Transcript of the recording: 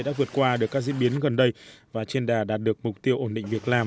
đã vượt qua được các diễn biến gần đây và trên đà đạt được mục tiêu ổn định việc làm